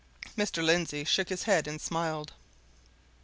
Mr. Lindsey shook his head and smiled.